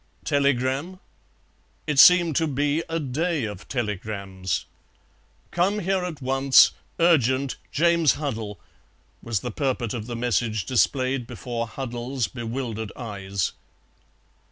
Telegram? It seemed to be a day of telegrams. "Come here at once. Urgent. James Huddle," was the purport of the message displayed before Huddle's bewildered eyes.